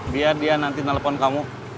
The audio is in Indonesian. biar dia nanti nelfon kamu